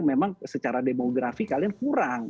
memang secara demografi kalian kurang